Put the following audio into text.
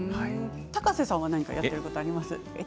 高瀬さんはやってること、ありますか？